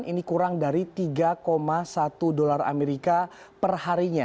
ini kurang dari tiga satu dolar amerika perharinya